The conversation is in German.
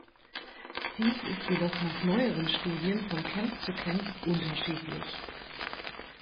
Dies ist jedoch nach neueren Studien von Camp zu Camp unterschiedlich.